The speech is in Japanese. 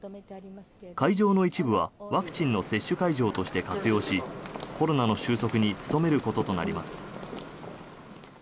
会場の一部はワクチンの接種会場として活用しコロナの収束に努めることとなります。